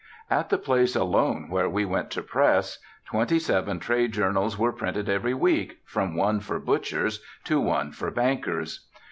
At the place alone where we went to press twenty seven trade journals were printed every week, from one for butchers to one for bankers.